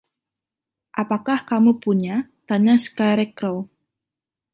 Apakah kamu punya? tanya Scarecrow.